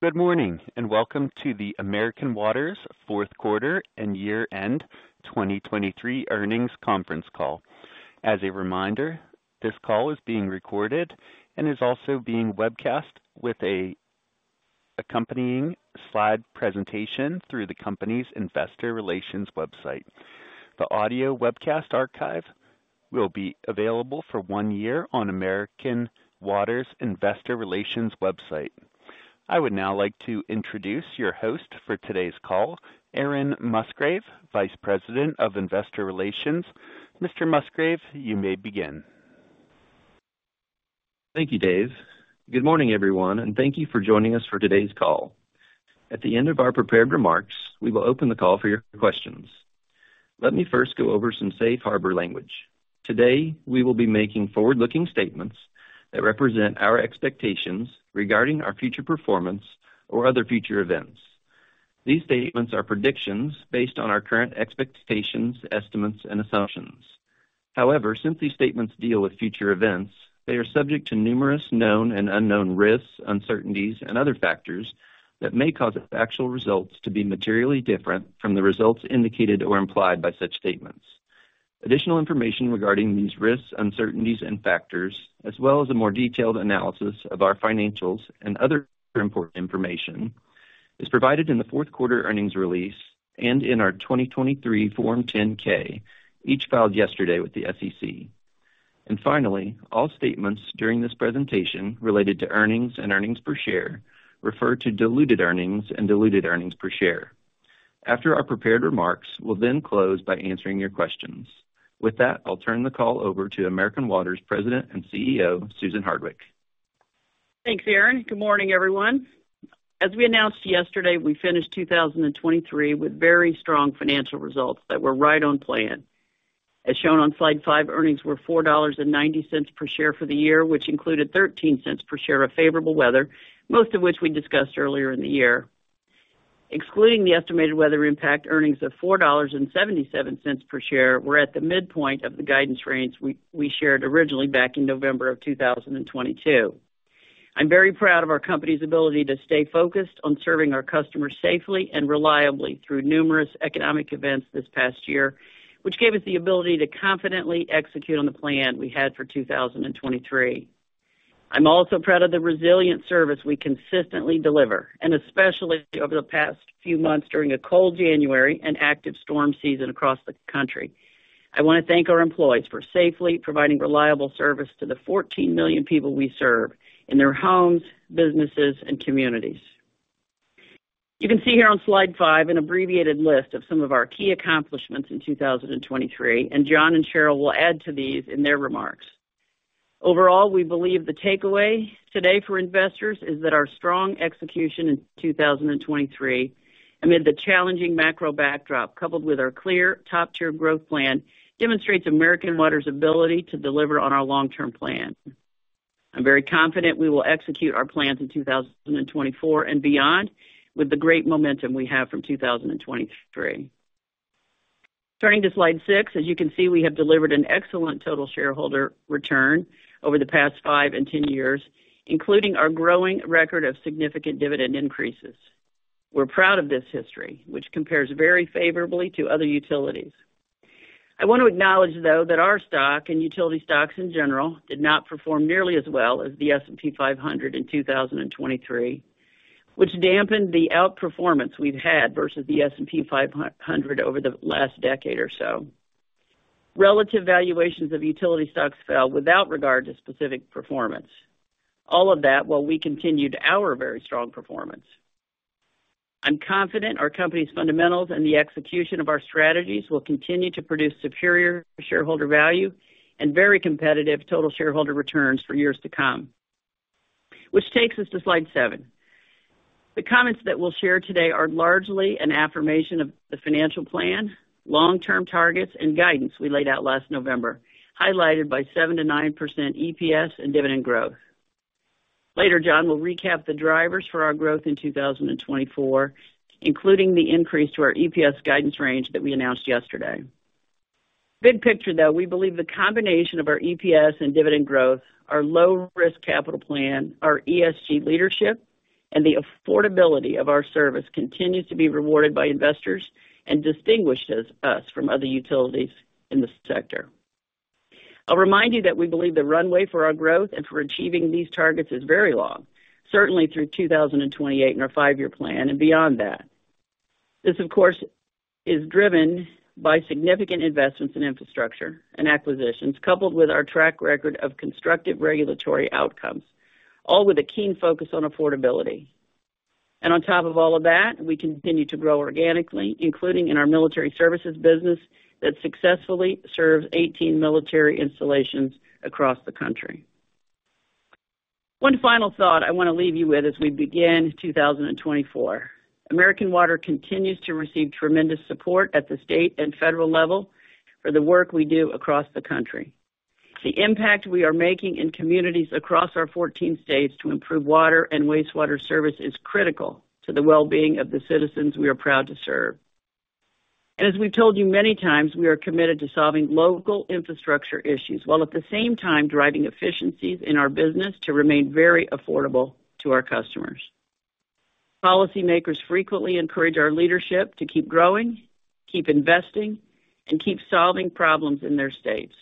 Good morning, and welcome to the American Water's fourth quarter and year-end 2023 earnings conference call. As a reminder, this call is being recorded and is also being webcast with an accompanying slide presentation through the company's investor relations website. The audio webcast archive will be available for one year on American Water's investor relations website. I would now like to introduce your host for today's call, Aaron Musgrave, Vice President of Investor Relations. Mr. Musgrave, you may begin. Thank you, Dave. Good morning, everyone, and thank you for joining us for today's call. At the end of our prepared remarks, we will open the call for your questions. Let me first go over some safe harbor language. Today, we will be making forward-looking statements that represent our expectations regarding our future performance or other future events. These statements are predictions based on our current expectations, estimates, and assumptions. However, since these statements deal with future events, they are subject to numerous known and unknown risks, uncertainties, and other factors that may cause actual results to be materially different from the results indicated or implied by such statements. Additional information regarding these risks, uncertainties, and factors, as well as a more detailed analysis of our financials and other important information, is provided in the fourth quarter earnings release and in our 2023 Form 10-K, each filed yesterday with the SEC. And finally, all statements during this presentation related to earnings and earnings per share refer to diluted earnings and diluted earnings per share. After our prepared remarks, we'll then close by answering your questions. With that, I'll turn the call over to American Water's President and CEO, Susan Hardwick. Thanks, Aaron. Good morning, everyone. As we announced yesterday, we finished 2023 with very strong financial results that were right on plan. As shown on slide five, earnings were $4.90 per share for the year, which included $0.13 per share of favorable weather, most of which we discussed earlier in the year. Excluding the estimated weather impact, earnings of $4.77 per share were at the midpoint of the guidance range we shared originally back in November 2022. I'm very proud of our company's ability to stay focused on serving our customers safely and reliably through numerous economic events this past year, which gave us the ability to confidently execute on the plan we had for 2023. I'm also proud of the resilient service we consistently deliver, and especially over the past few months during a cold January and active storm season across the country. I want to thank our employees for safely providing reliable service to the 14 million people we serve in their homes, businesses, and communities. You can see here on slide five an abbreviated list of some of our key accomplishments in 2023, and John and Cheryl will add to these in their remarks. Overall, we believe the takeaway today for investors is that our strong execution in 2023, amid the challenging macro backdrop, coupled with our clear top-tier growth plan, demonstrates American Water's ability to deliver on our long-term plan. I'm very confident we will execute our plans in 2024 and beyond with the great momentum we have from 2023. Turning to slide six, as you can see, we have delivered an excellent total shareholder return over the past five and 10 years, including our growing record of significant dividend increases. We're proud of this history, which compares very favorably to other utilities. I want to acknowledge, though, that our stock, and utility stocks in general, did not perform nearly as well as the S&P 500 in 2023, which dampened the outperformance we've had versus the S&P 500 over the last decade or so. Relative valuations of utility stocks fell without regard to specific performance. All of that while we continued our very strong performance. I'm confident our company's fundamentals and the execution of our strategies will continue to produce superior shareholder value and very competitive total shareholder returns for years to come. Which takes us to slide seven. The comments that we'll share today are largely an affirmation of the financial plan, long-term targets, and guidance we laid out last November, highlighted by 7%-9% EPS and dividend growth. Later, John will recap the drivers for our growth in 2024, including the increase to our EPS guidance range that we announced yesterday. Big picture, though, we believe the combination of our EPS and dividend growth, our low-risk capital plan, our ESG leadership, and the affordability of our service continues to be rewarded by investors and distinguishes us from other utilities in the sector. I'll remind you that we believe the runway for our growth and for achieving these targets is very long, certainly through 2028 in our five-year plan and beyond that. This, of course, is driven by significant investments in infrastructure and acquisitions, coupled with our track record of constructive regulatory outcomes, all with a keen focus on affordability. On top of all of that, we continue to grow organically, including in our military services business that successfully serves 18 military installations across the country. One final thought I want to leave you with as we begin 2024. American Water continues to receive tremendous support at the state and federal level for the work we do across the country. The impact we are making in communities across our 14 states to improve water and wastewater service is critical to the well-being of the citizens we are proud to serve... As we've told you many times, we are committed to solving local infrastructure issues, while at the same time driving efficiencies in our business to remain very affordable to our customers. Policymakers frequently encourage our leadership to keep growing, keep investing, and keep solving problems in their states.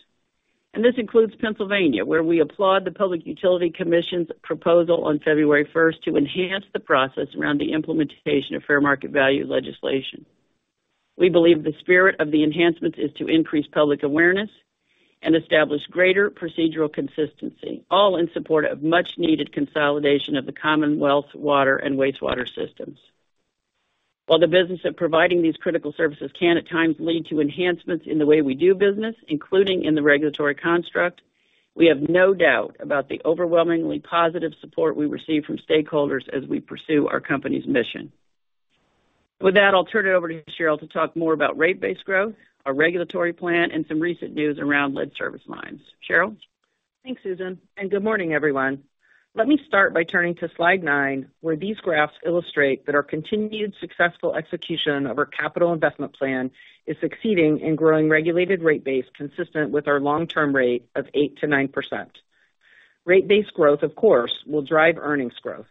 This includes Pennsylvania, where we applaud the Public Utility Commission's proposal on February first to enhance the process around the implementation of fair market value legislation. We believe the spirit of the enhancement is to increase public awareness and establish greater procedural consistency, all in support of much-needed consolidation of the Commonwealth water and wastewater systems. While the business of providing these critical services can, at times, lead to enhancements in the way we do business, including in the regulatory construct, we have no doubt about the overwhelmingly positive support we receive from stakeholders as we pursue our company's mission. With that, I'll turn it over to Cheryl to talk more about Rate Base growth, our regulatory plan, and some recent news around lead service lines. Cheryl? Thanks, Susan, and good morning, everyone. Let me start by turning to slide nine, where these graphs illustrate that our continued successful execution of our capital investment plan is succeeding in growing regulated rate base, consistent with our long-term rate of 8%-9%. Rate-based growth, of course, will drive earnings growth.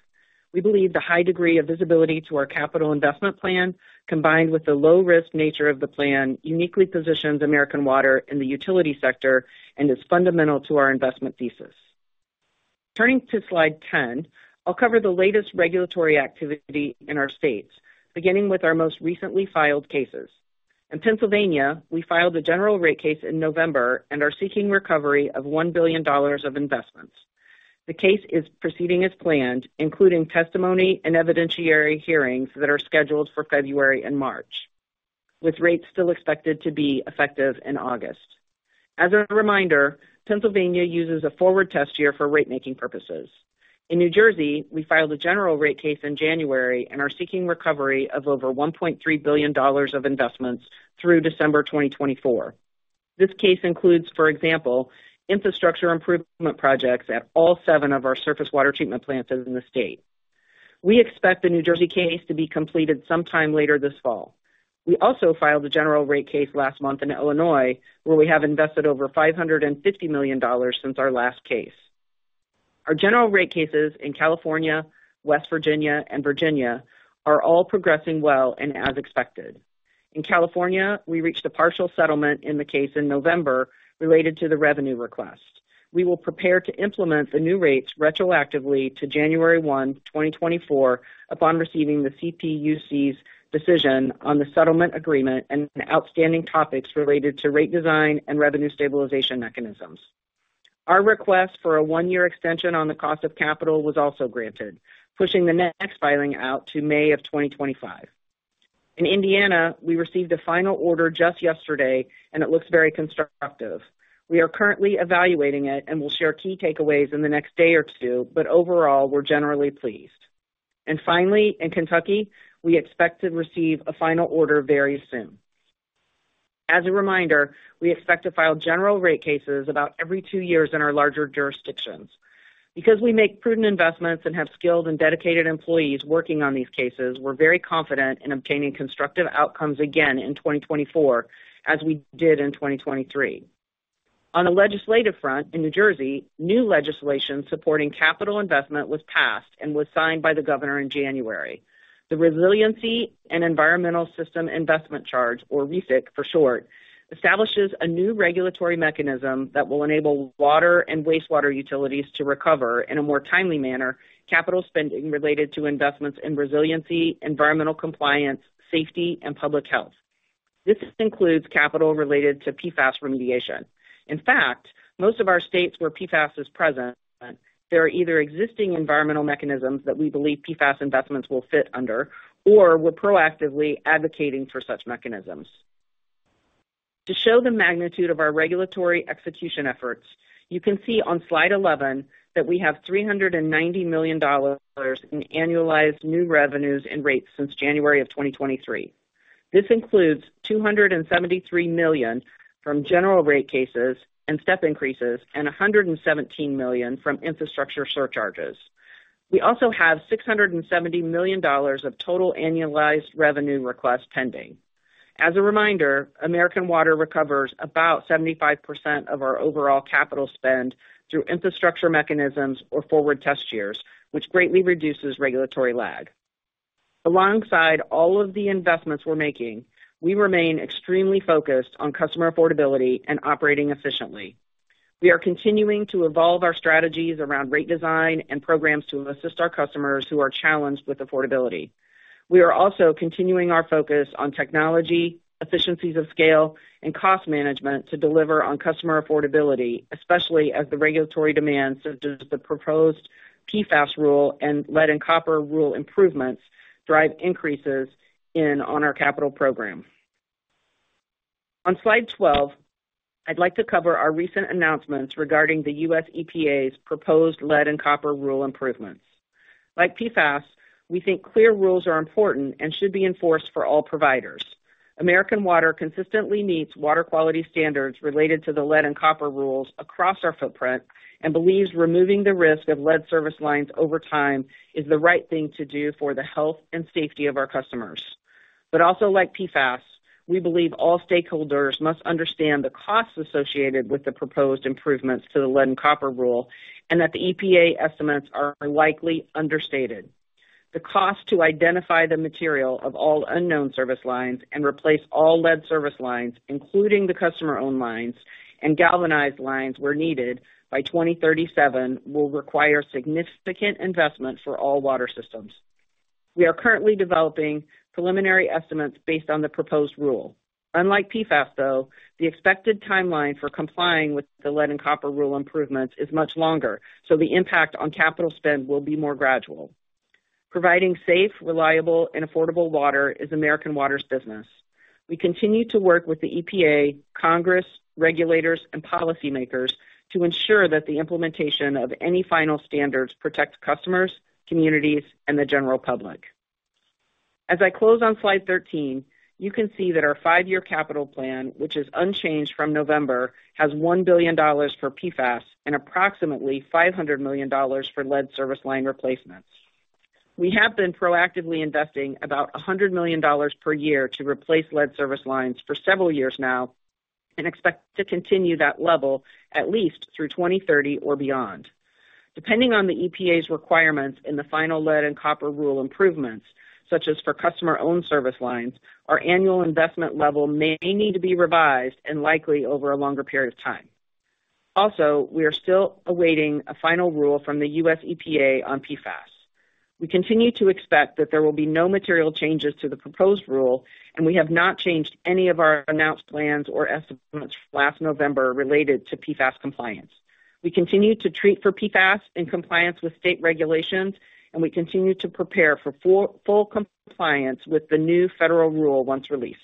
We believe the high degree of visibility to our capital investment plan, combined with the low-risk nature of the plan, uniquely positions American Water in the utility sector and is fundamental to our investment thesis. Turning to slide 10, I'll cover the latest regulatory activity in our states, beginning with our most recently filed cases. In Pennsylvania, we filed a general rate case in November and are seeking recovery of $1 billion of investments. The case is proceeding as planned, including testimony and evidentiary hearings that are scheduled for February and March, with rates still expected to be effective in August. As a reminder, Pennsylvania uses a forward test year for ratemaking purposes. In New Jersey, we filed a general rate case in January and are seeking recovery of over $1.3 billion of investments through December 2024. This case includes, for example, infrastructure improvement projects at all seven of our surface water treatment plants in the state. We expect the New Jersey case to be completed sometime later this fall. We also filed a general rate case last month in Illinois, where we have invested over $550 million since our last case. Our general rate cases in California, West Virginia, and Virginia are all progressing well and as expected. In California, we reached a partial settlement in the case in November related to the revenue request. We will prepare to implement the new rates retroactively to January 1st, 2024, upon receiving the CPUC's decision on the settlement agreement and outstanding topics related to rate design and revenue stabilization mechanisms. Our request for a 1-year extension on the cost of capital was also granted, pushing the next filing out to May 2025. In Indiana, we received a final order just yesterday, and it looks very constructive. We are currently evaluating it and will share key takeaways in the next day or two, but overall, we're generally pleased. And finally, in Kentucky, we expect to receive a final order very soon. As a reminder, we expect to file general rate cases about every two years in our larger jurisdictions. Because we make prudent investments and have skilled and dedicated employees working on these cases, we're very confident in obtaining constructive outcomes again in 2024, as we did in 2023. On the legislative front, in New Jersey, new legislation supporting capital investment was passed and was signed by the Governor in January. The Resiliency and Environmental System Investment Charge, or RESIC for short, establishes a new regulatory mechanism that will enable water and wastewater utilities to recover, in a more timely manner, capital spending related to investments in resiliency, environmental compliance, safety, and public health. This includes capital related to PFAS remediation. In fact, most of our states where PFAS is present, there are either existing environmental mechanisms that we believe PFAS investments will fit under, or we're proactively advocating for such mechanisms. To show the magnitude of our regulatory execution efforts, you can see on slide 11 that we have $390 million in annualized new revenues and rates since January of 2023. This includes $273 million from general rate cases and step increases and $117 million from infrastructure surcharges. We also have $670 million of total annualized revenue requests pending. As a reminder, American Water recovers about 75% of our overall capital spend through infrastructure mechanisms or forward test years, which greatly reduces regulatory lag. Alongside all of the investments we're making, we remain extremely focused on customer affordability and operating efficiently. We are continuing to evolve our strategies around rate design and programs to assist our customers who are challenged with affordability. We are also continuing our focus on technology, efficiencies of scale, and cost management to deliver on customer affordability, especially as the regulatory demands, such as the proposed PFAS rule and Lead and Copper Rule Improvements, drive increases in on our capital program. On slide 12, I'd like to cover our recent announcements regarding the US EPA's proposed Lead and Copper Rule Improvements. Like PFAS, we think clear rules are important and should be enforced for all providers. American Water consistently meets water quality standards related to the Lead and Copper Rules across our footprint and believes removing the risk of lead service lines over time is the right thing to do for the health and safety of our customers.... but also like PFAS, we believe all stakeholders must understand the costs associated with the proposed improvements to the Lead and Copper Rule, and that the EPA estimates are likely understated. The cost to identify the material of all unknown service lines and replace all lead service lines, including the customer-owned lines and galvanized lines where needed by 2037, will require significant investment for all water systems. We are currently developing preliminary estimates based on the proposed rule. Unlike PFAS, though, the expected timeline for complying with the Lead and Copper Rule Improvements is much longer, so the impact on capital spend will be more gradual. Providing safe, reliable, and affordable water is American Water's business. We continue to work with the EPA, Congress, regulators, and policymakers to ensure that the implementation of any final standards protects customers, communities, and the general public. As I close on slide 13, you can see that our 5-year capital plan, which is unchanged from November, has $1 billion for PFAS and approximately $500 million for lead service line replacements. We have been proactively investing about $100 million per year to replace lead service lines for several years now and expect to continue that level at least through 2030 or beyond. Depending on the EPA's requirements in the final Lead and Copper Rule Improvements, such as for customer-owned service lines, our annual investment level may need to be revised and likely over a longer period of time. Also, we are still awaiting a final rule from the USEPA on PFAS. We continue to expect that there will be no material changes to the proposed rule, and we have not changed any of our announced plans or estimates last November related to PFAS compliance. We continue to treat for PFAS in compliance with state regulations, and we continue to prepare for full compliance with the new federal rule once released.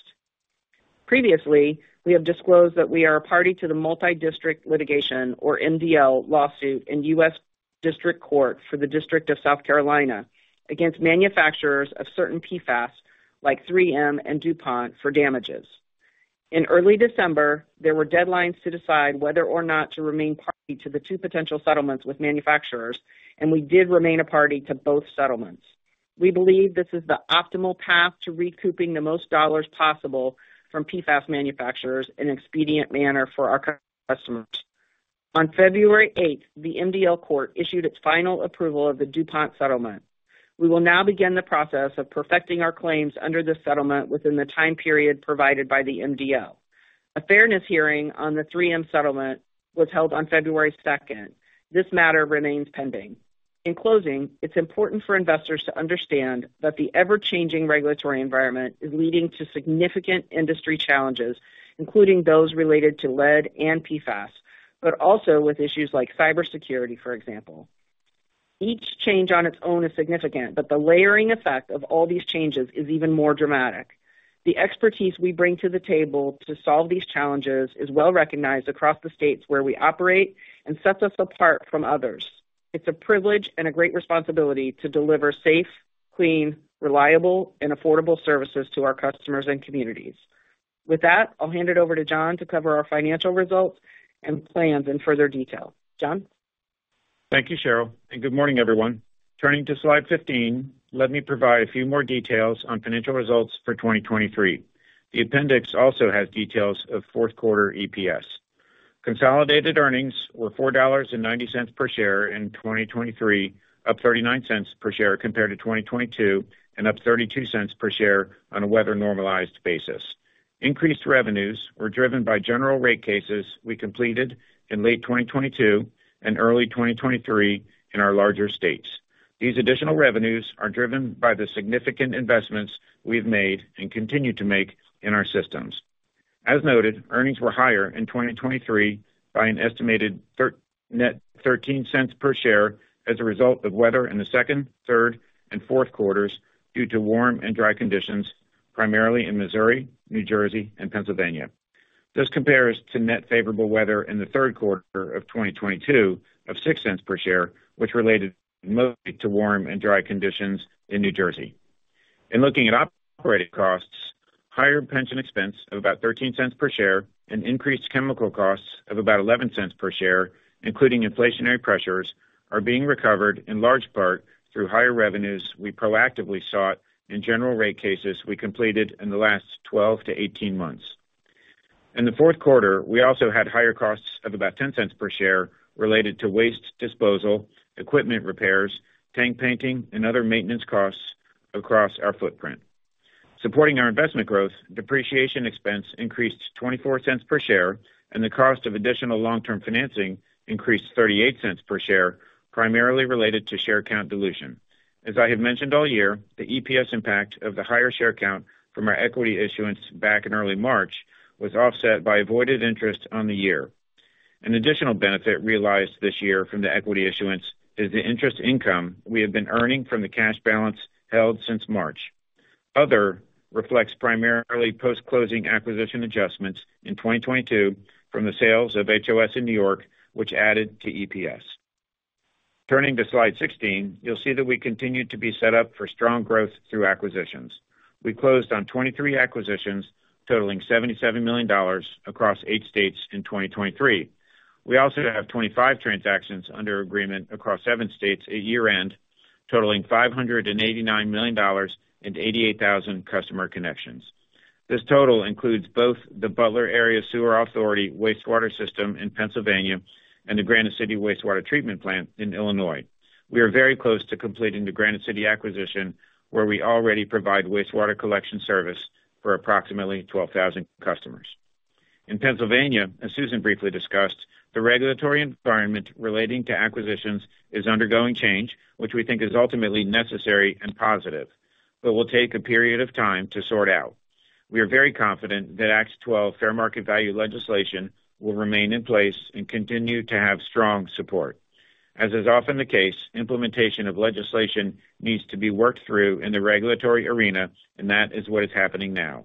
Previously, we have disclosed that we are a party to the multi-district litigation, or MDL lawsuit in U.S. District Court for the District of South Carolina against manufacturers of certain PFAS, like 3M and DuPont, for damages. In early December, there were deadlines to decide whether or not to remain party to the two potential settlements with manufacturers, and we did remain a party to both settlements. We believe this is the optimal path to recouping the most dollars possible from PFAS manufacturers in an expedient manner for our customers. On February 8th, the MDL court issued its final approval of the DuPont settlement. We will now begin the process of perfecting our claims under the settlement within the time period provided by the MDL. A fairness hearing on the 3M settlement was held on February 2nd. This matter remains pending. In closing, it's important for investors to understand that the ever-changing regulatory environment is leading to significant industry challenges, including those related to lead and PFAS, but also with issues like cybersecurity, for example. Each change on its own is significant, but the layering effect of all these changes is even more dramatic. The expertise we bring to the table to solve these challenges is well recognized across the states where we operate and sets us apart from others. It's a privilege and a great responsibility to deliver safe, clean, reliable, and affordable services to our customers and communities. With that, I'll hand it over to John to cover our financial results and plans in further detail. John? Thank you, Cheryl, and good morning, everyone. Turning to slide 15, let me provide a few more details on financial results for 2023. The appendix also has details of fourth quarter EPS. Consolidated earnings were $4.90 per share in 2023, up $0.39 per share compared to 2022, and up $0.32 per share on a weather-normalized basis. Increased revenues were driven by general rate cases we completed in late 2022 and early 2023 in our larger states. These additional revenues are driven by the significant investments we've made and continue to make in our systems. As noted, earnings were higher in 2023 by an estimated $0.13 per share as a result of weather in the second, third, and fourth quarters due to warm and dry conditions, primarily in Missouri, New Jersey, and Pennsylvania. This compares to net favorable weather in the third quarter of 2022 of $0.06 per share, which related mostly to warm and dry conditions in New Jersey. In looking at operating costs, higher pension expense of about $0.13 per share and increased chemical costs of about $0.11 per share, including inflationary pressures, are being recovered in large part through higher revenues we proactively sought in general rate cases we completed in the last 12-18 months. In the fourth quarter, we also had higher costs of about $0.10 per share related to waste disposal, equipment repairs, tank painting, and other maintenance costs across our footprint. Supporting our investment growth, depreciation expense increased $0.24 per share, and the cost of additional long-term financing increased $0.38 per share, primarily related to share count dilution. As I have mentioned all year, the EPS impact of the higher share count from our equity issuance back in early March was offset by avoided interest on the year. An additional benefit realized this year from the equity issuance is the interest income we have been earning from the cash balance held since March. Other reflects primarily post-closing acquisition adjustments in 2022 from the sales of HOS in New York, which added to EPS. Turning to slide 16, you'll see that we continue to be set up for strong growth through acquisitions. We closed on 23 acquisitions totaling $77 million across eight states in 2023. We also have 25 transactions under agreement across seven states at year-end, totaling $589 million and 88,000 customer connections. This total includes both the Butler Area Sewer Authority Wastewater System in Pennsylvania and the Granite City Wastewater Treatment Plant in Illinois. We are very close to completing the Granite City acquisition, where we already provide wastewater collection service for approximately 12,000 customers. In Pennsylvania, as Susan briefly discussed, the regulatory environment relating to acquisitions is undergoing change, which we think is ultimately necessary and positive, but will take a period of time to sort out. We are very confident that Act 12 fair market value legislation will remain in place and continue to have strong support. As is often the case, implementation of legislation needs to be worked through in the regulatory arena, and that is what is happening now.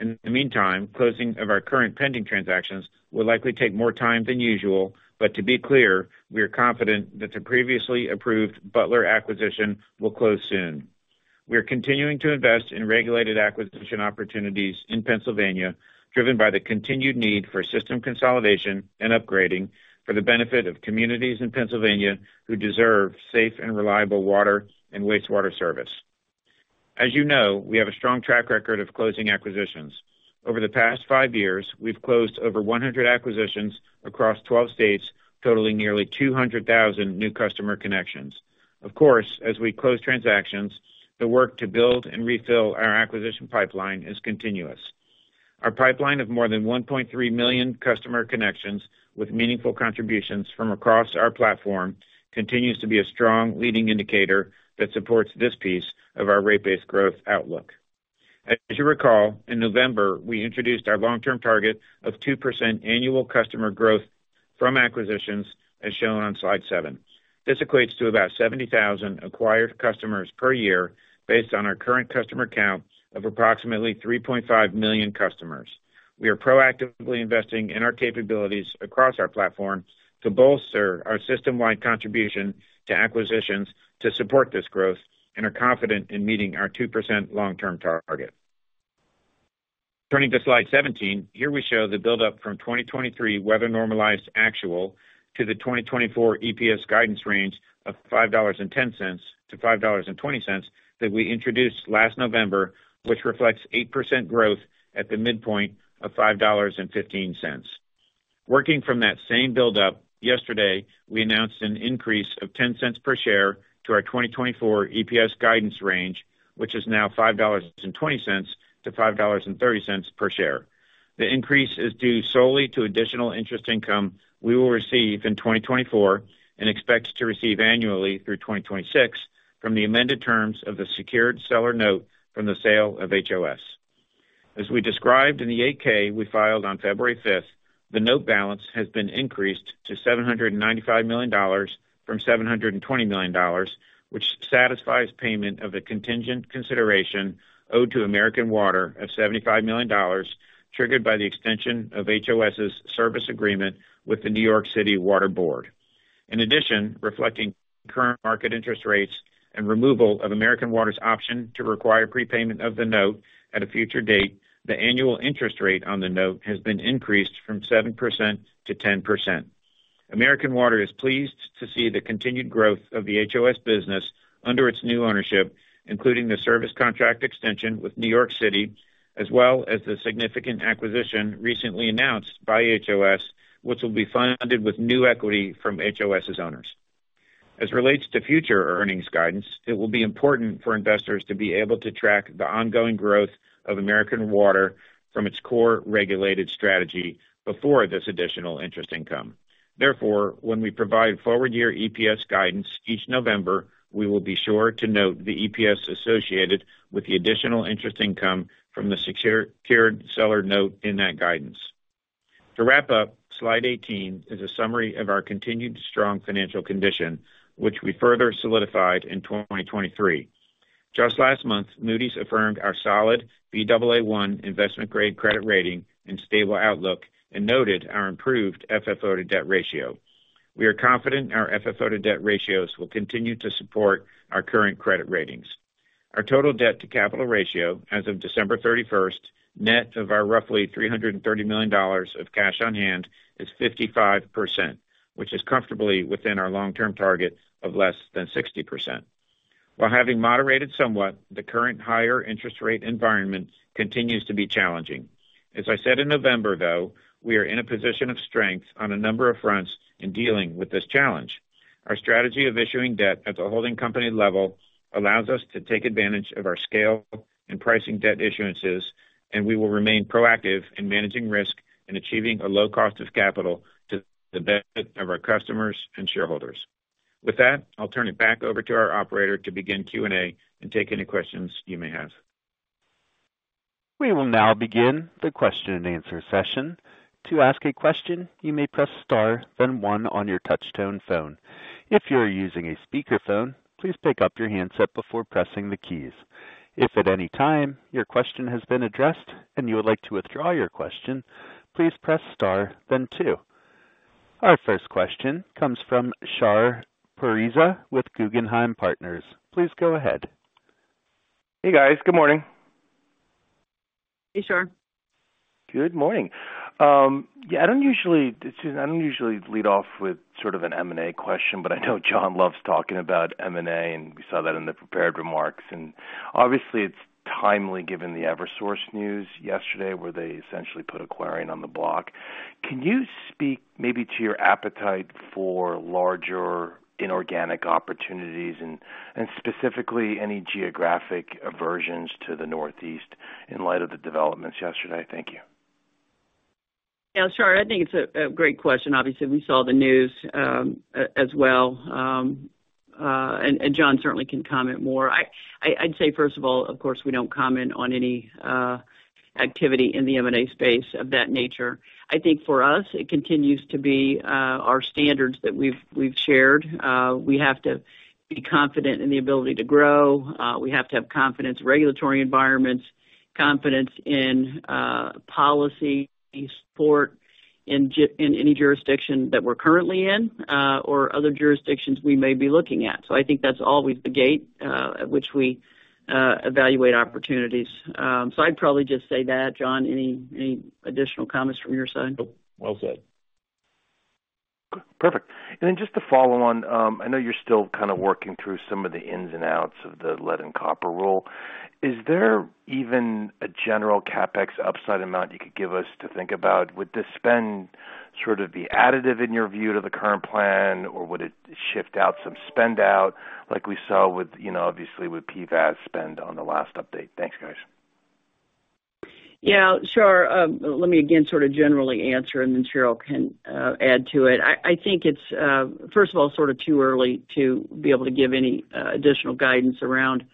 In the meantime, closing of our current pending transactions will likely take more time than usual, but to be clear, we are confident that the previously approved Butler acquisition will close soon. We are continuing to invest in regulated acquisition opportunities in Pennsylvania, driven by the continued need for system consolidation and upgrading for the benefit of communities in Pennsylvania who deserve safe and reliable water and wastewater service. As you know, we have a strong track record of closing acquisitions. Over the past five years, we've closed over 100 acquisitions across 12 states, totaling nearly 200,000 new customer connections. Of course, as we close transactions, the work to build and refill our acquisition pipeline is continuous. Our pipeline of more than 1.3 million customer connections, with meaningful contributions from across our platform, continues to be a strong leading indicator that supports this piece of our rate-based growth outlook. As you recall, in November, we introduced our long-term target of 2% annual customer growth from acquisitions, as shown on slide seven. This equates to about 70,000 acquired customers per year based on our current customer count of approximately 3.5 million customers. We are proactively investing in our capabilities across our platform to bolster our system-wide contribution to acquisitions to support this growth and are confident in meeting our 2% long-term target. Turning to slide 17, here we show the buildup from 2023 weather normalized actual to the 2024 EPS guidance range of $5.10-$5.20 that we introduced last November, which reflects 8% growth at the midpoint of $5.15. Working from that same buildup, yesterday, we announced an increase of $0.10 per share to our 2024 EPS guidance range, which is now $5.20-$5.30 per share. The increase is due solely to additional interest income we will receive in 2024 and expects to receive annually through 2026 from the amended terms of the secured seller note from the sale of HOS. As we described in the 8-K we filed on February 5th, the note balance has been increased to $795 million from $720 million, which satisfies payment of the contingent consideration owed to American Water of $75 million, triggered by the extension of HOS's service agreement with the New York City Water Board. In addition, reflecting current market interest rates and removal of American Water's option to require prepayment of the note at a future date, the annual interest rate on the note has been increased from 7%-10%. American Water is pleased to see the continued growth of the HOS business under its new ownership, including the service contract extension with New York City, as well as the significant acquisition recently announced by HOS, which will be funded with new equity from HOS's owners. As it relates to future earnings guidance, it will be important for investors to be able to track the ongoing growth of American Water from its core regulated strategy before this additional interest income. Therefore, when we provide forward-year EPS guidance each November, we will be sure to note the EPS associated with the additional interest income from the secured seller note in that guidance. To wrap up, slide 18 is a summary of our continued strong financial condition, which we further solidified in 2023. Just last month, Moody's affirmed our solid Baa1 investment-grade credit rating and stable outlook and noted our improved FFO to debt ratio. We are confident our FFO to debt ratios will continue to support our current credit ratings. Our total debt to capital ratio as of December 31st, net of our roughly $330 million of cash on hand, is 55%, which is comfortably within our long-term target of less than 60%. While having moderated somewhat, the current higher interest rate environment continues to be challenging. As I said in November, though, we are in a position of strength on a number of fronts in dealing with this challenge. Our strategy of issuing debt at the holding company level allows us to take advantage of our scale in pricing debt issuances, and we will remain proactive in managing risk and achieving a low cost of capital to the benefit of our customers and shareholders. With that, I'll turn it back over to our operator to begin Q&A and take any questions you may have. We will now begin the Q&A session. To ask a question, you may press star, then one on your touchtone phone. If you are using a speakerphone, please pick up your handset before pressing the keys. If at any time your question has been addressed and you would like to withdraw your question, please press star then two. Our first question comes from Shar Pourreza with Guggenheim Partners. Please go ahead. Hey, guys. Good morning. Hey, Shar. Good morning. Yeah, I don't usually, Susan, I don't usually lead off with sort of an M&A question, but I know John loves talking about M&A, and we saw that in the prepared remarks, and obviously, it's timely, given the Eversource news yesterday, where they essentially put Aquarion on the block. Can you speak maybe to your appetite for larger inorganic opportunities and specifically any geographic aversions to the Northeast in light of the developments yesterday? Thank you. Yeah, Shar, I think it's a great question. Obviously, we saw the news, as well, and John certainly can comment more. I'd say, first of all, of course, we don't comment on any activity in the M&A space of that nature. I think for us, it continues to be our standards that we've shared. We have to be confident in the ability to grow, we have to have confidence in regulatory environments, confidence in policy support in any jurisdiction that we're currently in, or other jurisdictions we may be looking at. So I think that's always the gate at which we evaluate opportunities. So I'd probably just say that. John, any additional comments from your side? Nope. Well said. Perfect. Then just to follow on, I know you're still kind of working through some of the ins and outs of the Lead and Copper Rule. Is there even a general CapEx upside amount you could give us to think about? Would this spend sort of be additive, in your view, to the current plan, or would it shift out some spend out like we saw with, you know, obviously with PFAS spend on the last update? Thanks, guys. Yeah, Shar, let me again sort of generally answer, and then Cheryl can add to it. I think it's first of all sort of too early to be able to give any additional guidance around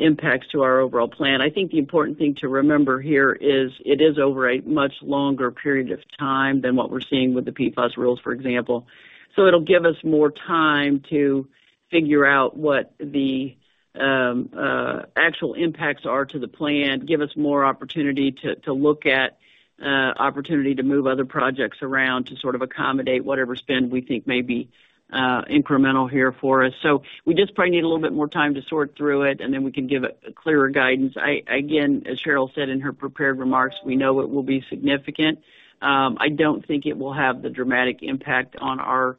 impacts to our overall plan. I think the important thing to remember here is it is over a much longer period of time than what we're seeing with the PFAS rules, for example. So it'll give us more time to figure out what the actual impacts are to the plan, give us more opportunity to look at opportunity to move other projects around, to sort of accommodate whatever spend we think may be incremental here for us. So we just probably need a little bit more time to sort through it, and then we can give a clearer guidance. I, again, as Cheryl said in her prepared remarks, we know it will be significant. I don't think it will have the dramatic impact on our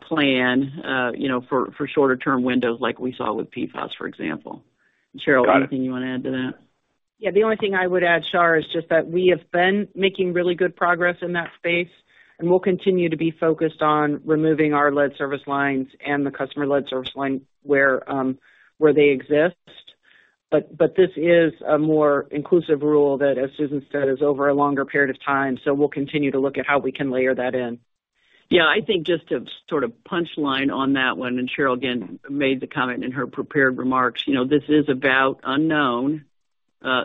plan, you know, for shorter-term windows like we saw with PFAS, for example. Got it. Cheryl, anything you want to add to that? Yeah, the only thing I would add, Shar, is just that we have been making really good progress in that space, and we'll continue to be focused on removing our lead service lines and the customer lead service line where they exist. But this is a more inclusive rule that, as Susan said, is over a longer period of time. So we'll continue to look at how we can layer that in. Yeah, I think just to sort of punch line on that one, and Cheryl again made the comment in her prepared remarks, you know, this is about unknown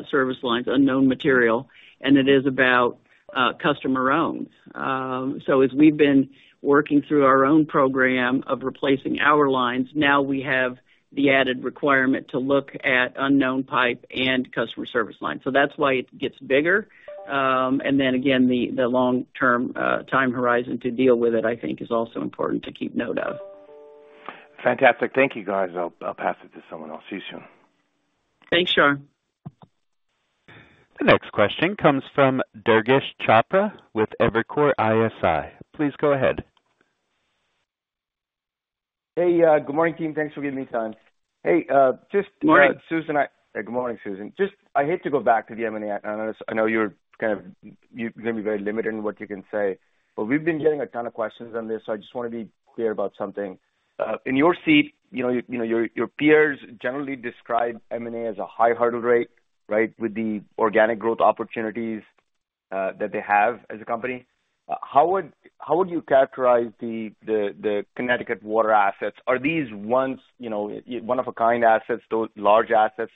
service lines, unknown material, and it is about customer-owned. So, as we've been working through our own program of replacing our lines, now we have the added requirement to look at unknown pipe and customer service lines. So that's why it gets bigger. And then again, the long-term time horizon to deal with it, I think is also important to keep note of. Fantastic. Thank you, guys. I'll, I'll pass it to someone else. See you soon. Thanks, Shar. The next question comes from Durgesh Chopra with Evercore ISI. Please go ahead. Hey, good morning, team. Thanks for giving me time. Hey, just- Good morning. Susan, Hey, good morning, Susan. Just, I hate to go back to the M&A. I know you're kind of, you're going to be very limited in what you can say, but we've been getting a ton of questions on this, so I just want to be clear about something. In your seat, you know, you know, your, your peers generally describe M&A as a high hurdle rate, right? With the organic growth opportunities that they have as a company. How would, how would you characterize the, the, the Connecticut water assets? Are these ones, you know, one-of-a-kind assets, those large assets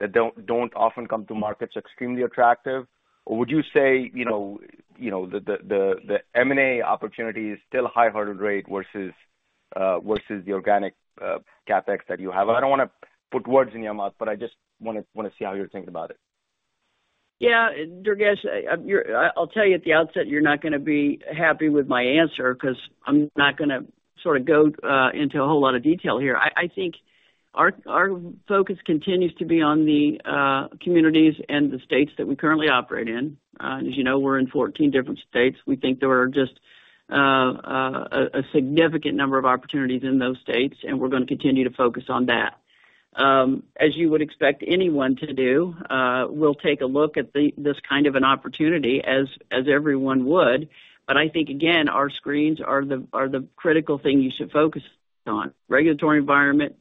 that don't, don't often come to market, extremely attractive? Or would you say, you know, you know, the, the, the, M&A opportunity is still a high hurdle rate versus, versus the organic, CapEx that you have? I don't want to put words in your mouth, but I just want to, want to see how you're thinking about it. Yeah, Durgesh, you're—I'll tell you at the outset, you're not going to be happy with my answer because I'm not going to sort of go into a whole lot of detail here. I think our focus continues to be on the communities and the states that we currently operate in. As you know, we're in 14 different states. We think there are just a significant number of opportunities in those states, and we're going to continue to focus on that. As you would expect anyone to do, we'll take a look at this kind of an opportunity as everyone would. But I think, again, our screens are the critical thing you should focus on: regulatory environment,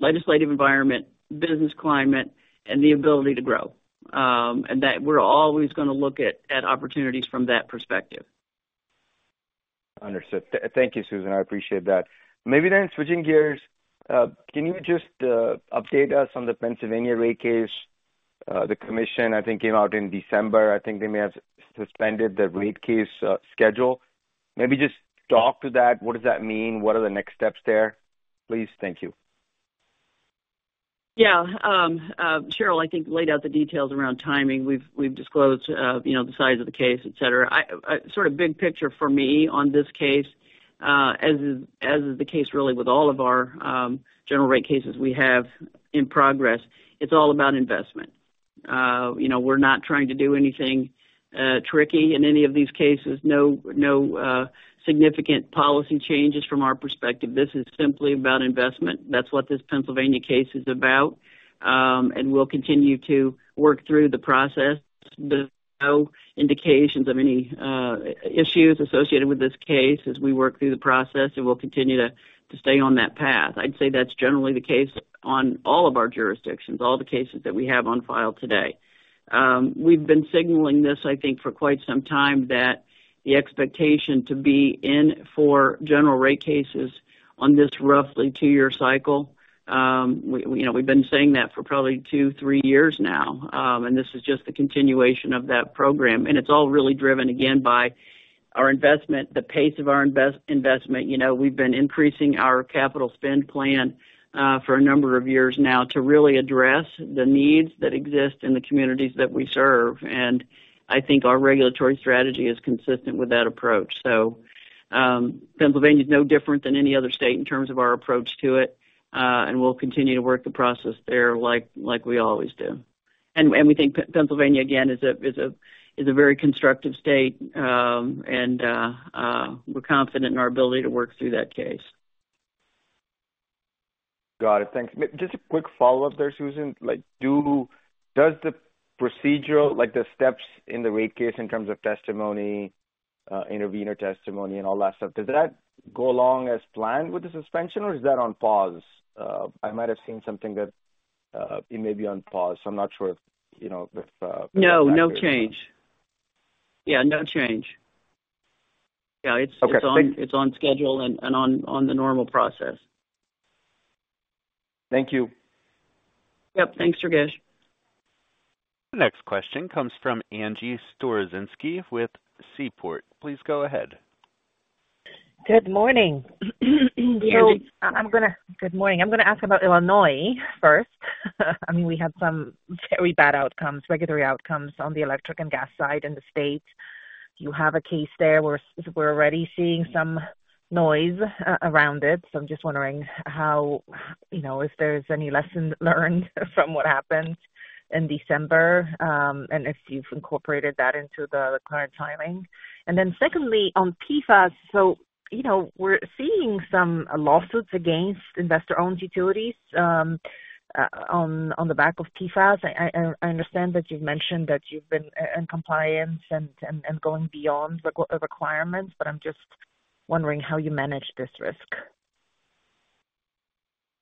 legislative environment, business climate, and the ability to grow. And that we're always going to look at opportunities from that perspective. Understood. Thank you, Susan, I appreciate that. Maybe then switching gears, can you just, update us on the Pennsylvania rate case? The commission, I think, came out in December. I think they may have suspended the rate case, schedule. Maybe just talk to that. What does that mean? What are the next steps there, please? Thank you.... Yeah, Cheryl, I think laid out the details around timing. We've disclosed, you know, the size of the case, et cetera. I sort of big picture for me on this case, as is the case, really, with all of our general rate cases we have in progress, it's all about investment. You know, we're not trying to do anything tricky in any of these cases. No, no significant policy changes from our perspective. This is simply about investment. That's what this Pennsylvania case is about. And we'll continue to work through the process. There's no indications of any issues associated with this case as we work through the process, and we'll continue to stay on that path. I'd say that's generally the case on all of our jurisdictions, all the cases that we have on file today. We've been signaling this, I think, for quite some time, that the expectation to be in for general rate cases on this roughly two-year cycle, we, you know, we've been saying that for probably two, three years now. And this is just the continuation of that program, and it's all really driven, again, by our investment, the pace of our investment. You know, we've been increasing our capital spend plan, for a number of years now to really address the needs that exist in the communities that we serve. And I think our regulatory strategy is consistent with that approach. So, Pennsylvania is no different than any other state in terms of our approach to it, and we'll continue to work the process there like we always do. And we think Pennsylvania, again, is a very constructive state, and we're confident in our ability to work through that case. Got it. Thanks. Just a quick follow-up there, Susan. Like, does the procedural, like the steps in the rate case in terms of testimony, intervener testimony and all that stuff, does that go along as planned with the suspension or is that on pause? I might have seen something that it may be on pause. I'm not sure if, you know, if- No, no change. Yeah, no change. Yeah- Okay. It's on schedule and on the normal process. Thank you. Yep. Thanks, Durgesh. The next question comes from Angie Storozynski with Seaport. Please go ahead. Good morning. Good morning. Good morning. I'm going to ask about Illinois first. I mean, we had some very bad outcomes, regulatory outcomes on the electric and gas side in the state. You have a case there. We're already seeing some noise around it. So I'm just wondering how, you know, if there's any lessons learned from what happened in December, and if you've incorporated that into the current timing. And then secondly, on PFAS. So, you know, we're seeing some lawsuits against investor-owned utilities, on the back of PFAS. I understand that you've mentioned that you've been in compliance and going beyond the requirements, but I'm just wondering how you manage this risk.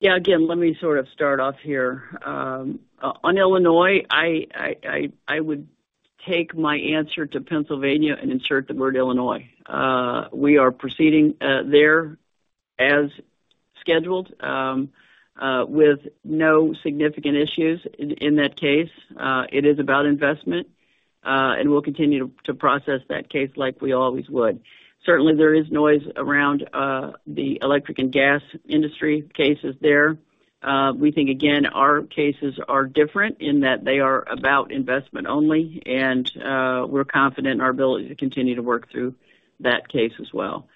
Yeah, again, let me sort of start off here. On Illinois, I would take my answer to Pennsylvania and insert the word Illinois. We are proceeding there as scheduled with no significant issues in that case. It is about investment and we'll continue to process that case like we always would. Certainly, there is noise around the electric and gas industry cases there. We think, again, our cases are different in that they are about investment only, and we're confident in our ability to continue to work through that case as well.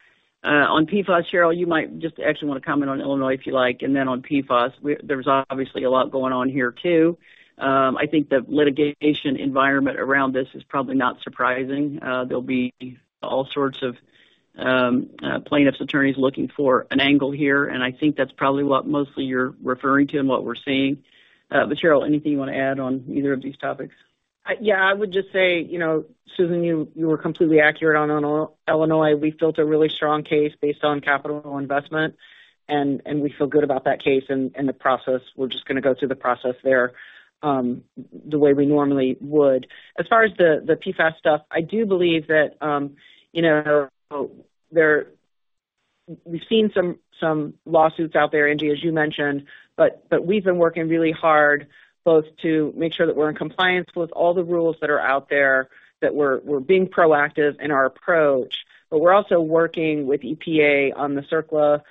On PFAS, Cheryl, you might just actually want to comment on Illinois, if you like, and then on PFAS. There's obviously a lot going on here, too. I think the litigation environment around this is probably not surprising. There'll be all sorts of plaintiff's attorneys looking for an angle here, and I think that's probably what mostly you're referring to and what we're seeing. But Cheryl, anything you want to add on either of these topics? Yeah, I would just say, you know, Susan, you were completely accurate on Illinois. We built a really strong case based on capital investment, and we feel good about that case and the process. We're just going to go through the process there the way we normally would. As far as the PFAS stuff, I do believe that, you know, there we've seen some lawsuits out there, Angie, as you mentioned, but we've been working really hard both to make sure that we're in compliance with all the rules that are out there, that we're being proactive in our approach. But we're also working with EPA on the CERCLA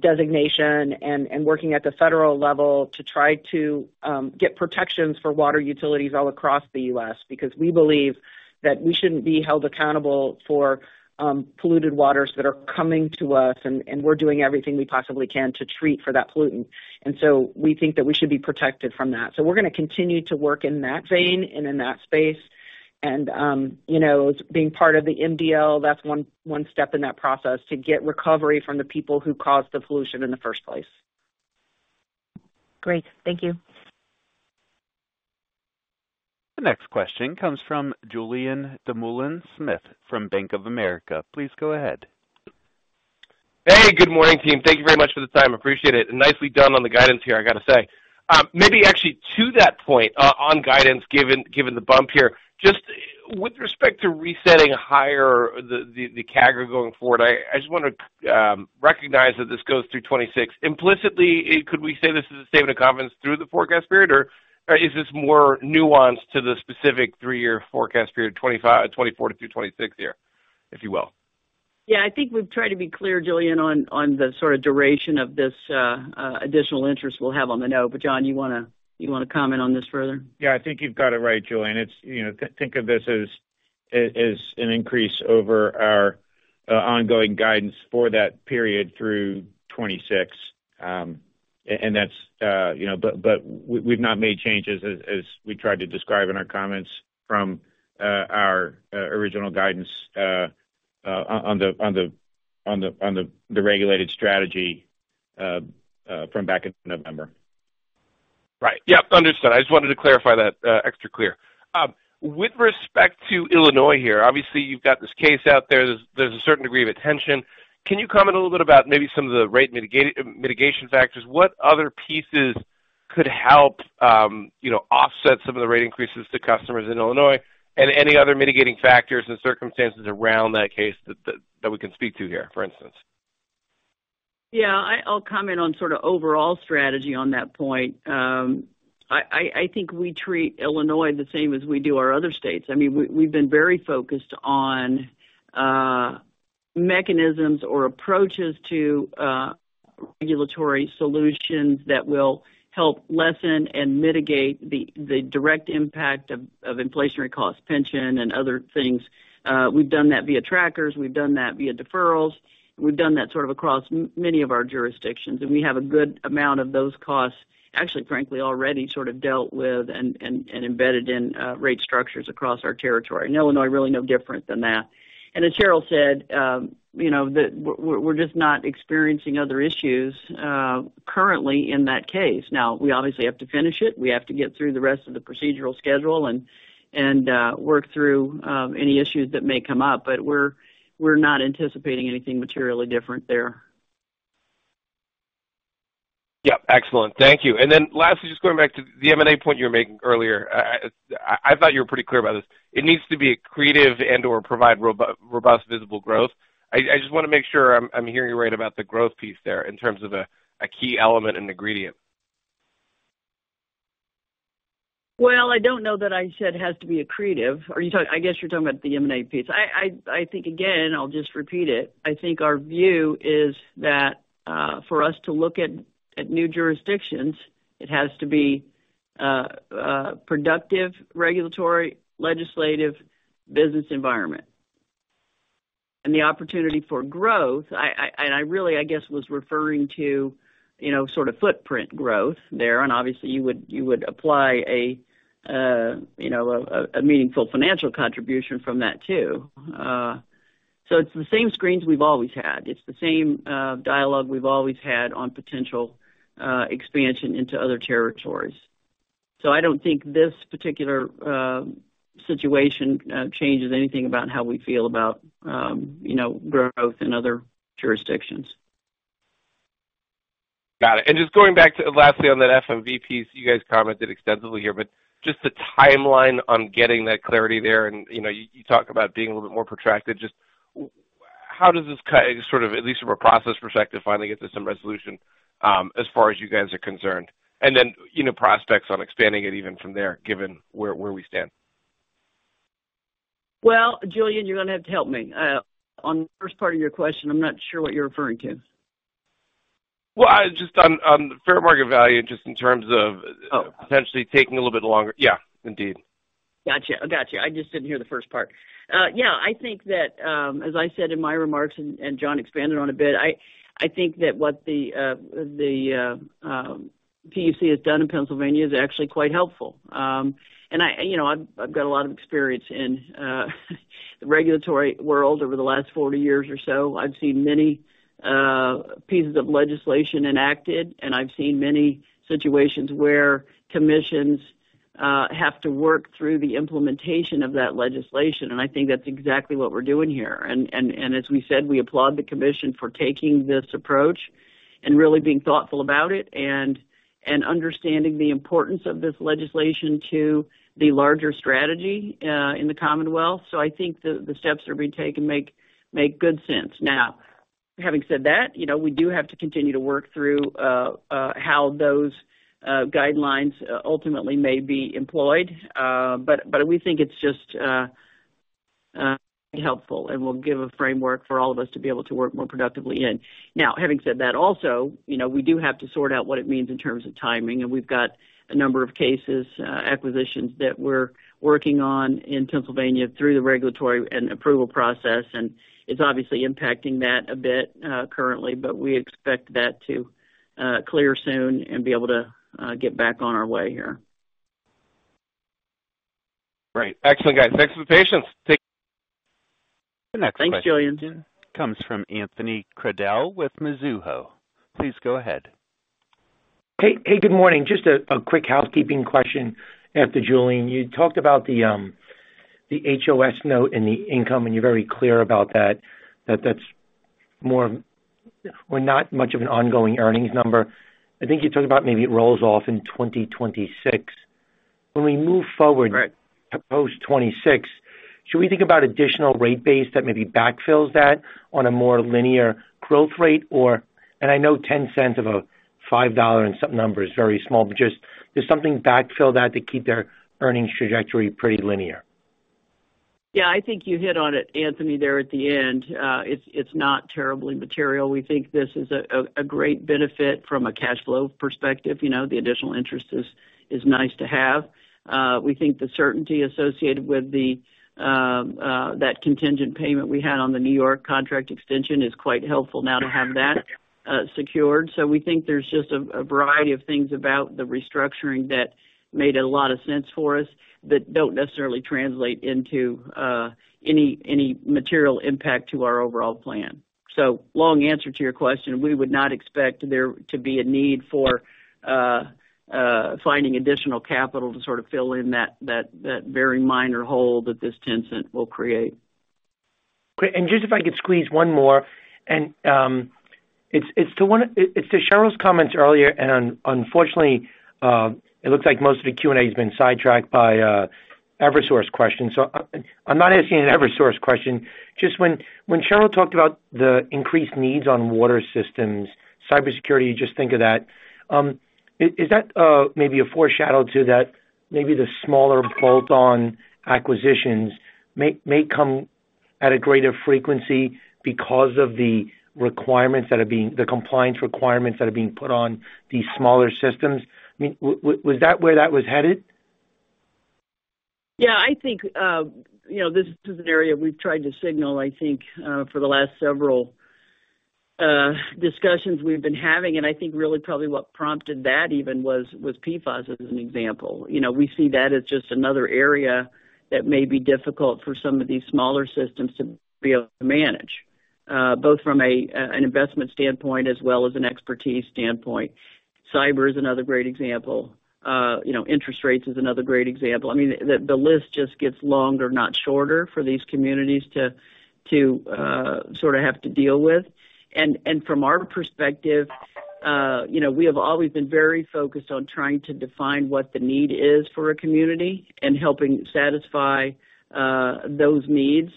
designation and working at the federal level to try to get protections for water utilities all across the U.S. because we believe that we shouldn't be held accountable for polluted waters that are coming to us, and we're doing everything we possibly can to treat for that pollutant. And so, we think that we should be protected from that. So, we're going to continue to work in that vein and in that space. And you know, being part of the MDL, that's one step in that process, to get recovery from the people who caused the pollution in the first place. Great. Thank you. The next question comes from Julien Dumoulin-Smith from Bank of America. Please go ahead. Hey, good morning, team. Thank you very much for the time. Appreciate it. Nicely done on the guidance here, I got to say. Maybe actually to that point, on guidance, given the bump here, just with respect to resetting higher the CAGR going forward, I just want to recognize that this goes through 2026. Implicitly, could we say this is a statement of confidence through the forecast period, or is this more nuanced to the specific three-year forecast period, 2025, 2024 through 2026 year, if you will?... Yeah, I think we've tried to be clear, Julien, on the sort of duration of this additional interest we'll have on the note. But John, you want to, you want to comment on this further? Yeah, I think you've got it right, Julien. It's, you know, think of this as an increase over our ongoing guidance for that period through 2026. And that's, you know, but we've not made changes, as we tried to describe in our comments from our original guidance on the regulated strategy from back in November. Right. Yep, understood. I just wanted to clarify that extra clear. With respect to Illinois here, obviously, you've got this case out there. There's a certain degree of attention. Can you comment a little bit about maybe some of the rate mitigation factors? What other pieces could help, you know, offset some of the rate increases to customers in Illinois and any other mitigating factors and circumstances around that case that we can speak to here, for instance? Yeah, I'll comment on sort of overall strategy on that point. I think we treat Illinois the same as we do our other states. I mean, we've been very focused on mechanisms or approaches to regulatory solutions that will help lessen and mitigate the direct impact of inflationary costs, pension, and other things. We've done that via trackers. We've done that via deferrals. We've done that sort of across many of our jurisdictions, and we have a good amount of those costs, actually, frankly, already sort of dealt with and embedded in rate structures across our territory. And Illinois, really no different than that. And as Cheryl said, you know, we're just not experiencing other issues currently in that case. Now, we obviously have to finish it. We have to get through the rest of the procedural schedule and work through any issues that may come up, but we're not anticipating anything materially different there. Yep. Excellent. Thank you. And then lastly, just going back to the M&A point you were making earlier. I thought you were pretty clear about this. It needs to be accretive and/or provide robust visible growth. I just want to make sure I'm hearing you right about the growth piece there in terms of a key element and ingredient. Well, I don't know that I said it has to be accretive. Are you talking? I guess you're talking about the M&A piece. I think, again, I'll just repeat it. I think our view is that, for us to look at new jurisdictions, it has to be productive, regulatory, legislative, business environment. And the opportunity for growth, and I really, I guess, was referring to, you know, sort of footprint growth there, and obviously, you would apply a, you know, a meaningful financial contribution from that, too. So it's the same screens we've always had. It's the same dialogue we've always had on potential expansion into other territories. So I don't think this particular situation changes anything about how we feel about, you know, growth in other jurisdictions. Got it. And just going back to, lastly, on that FMV piece, you guys commented extensively here, but just the timeline on getting that clarity there, and, you know, you talk about being a little bit more protracted. Just how does this kind, sort of, at least from a process perspective, finally get to some resolution, as far as you guys are concerned? And then, you know, prospects on expanding it even from there, given where we stand. Well, Julien, you're going to have to help me on the first part of your question. I'm not sure what you're referring to. Well, just on the Fair Market Value, just in terms of- Oh. potentially taking a little bit longer. Yeah, indeed. Gotcha. I got you. I just didn't hear the first part. Yeah, I think that, as I said in my remarks, and John expanded on a bit, I think that what the PUC has done in Pennsylvania is actually quite helpful. And I, you know, I've got a lot of experience in the regulatory world over the last 40 years or so. I've seen many pieces of legislation enacted, and I've seen many situations where commissions have to work through the implementation of that legislation. And I think that's exactly what we're doing here. And as we said, we applaud the commission for taking this approach and really being thoughtful about it and understanding the importance of this legislation to the larger strategy in the Commonwealth. So I think the steps that are being taken make good sense. Now, having said that, you know, we do have to continue to work through how those guidelines ultimately may be employed. But we think it's just helpful and will give a framework for all of us to be able to work more productively in. Now, having said that, also, you know, we do have to sort out what it means in terms of timing, and we've got a number of cases, acquisitions that we're working on in Pennsylvania through the regulatory and approval process, and it's obviously impacting that a bit, currently, but we expect that to clear soon and be able to get back on our way here. Great. Excellent, guys. Thanks for the patience. Take- The next question- Thanks, Julian. Comes from Anthony Crowdell with Mizuho. Please go ahead. Hey, hey, good morning. Just a quick housekeeping question after Julian. You talked about the HOS note and the income, and you're very clear about that, that that's more of or not much of an ongoing earnings number. I think you talked about maybe it rolls off in 2026. When we move forward- Right. to post 2026, should we think about additional rate base that maybe backfills that on a more linear growth rate? And I know $0.10 of a $5 and some number is very small, but just, does something backfill that to keep their earnings trajectory pretty linear? Yeah, I think you hit on it, Anthony, there at the end. It's not terribly material. We think this is a great benefit from a cash flow perspective. You know, the additional interest is nice to have. We think the certainty associated with that contingent payment we had on the New York contract extension is quite helpful now to have that secured. So we think there's just a variety of things about the restructuring that made a lot of sense for us, that don't necessarily translate into any material impact to our overall plan. So long answer to your question, we would not expect there to be a need for finding additional capital to sort of fill in that very minor hole that this $0.10 will create. Great. And just if I could squeeze one more, and, it's to Cheryl's comments earlier, and unfortunately, it looks like most of the Q&A has been sidetracked by, Eversource questions. So, I'm not asking an Eversource question. Just when, when Cheryl talked about the increased needs on water systems, cybersecurity, just think of that, is that, maybe a foreshadow to that maybe the smaller bolt-on acquisitions may, may come at a greater frequency because of the requirements that are being... The compliance requirements that are being put on these smaller systems? I mean, was that where that was headed? Yeah, I think, you know, this is an area we've tried to signal, I think, for the last several discussions we've been having. And I think really probably what prompted that even was PFAS, as an example. You know, we see that as just another area that may be difficult for some of these smaller systems to be able to manage, both from an investment standpoint as well as an expertise standpoint. Cyber is another great example. You know, interest rates is another great example. I mean, the list just gets longer, not shorter, for these communities to sort of have to deal with. And from our perspective, you know, we have always been very focused on trying to define what the need is for a community and helping satisfy those needs.